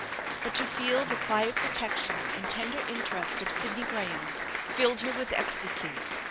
But to feel the quiet protection and tender interest of Sidney Graham filled her with ecstasy.